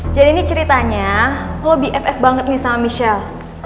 jadi ini ceritanya lo bff banget nih sama michelle